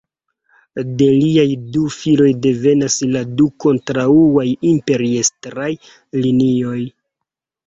De liaj du filoj devenas la du kontraŭaj imperiestraj linioj.